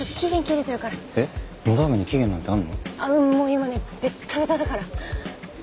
もう今ねベッタベタだから。